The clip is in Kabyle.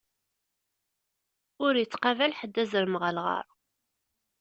Ur ittqabal ḥedd azrem ɣeṛ lɣaṛ.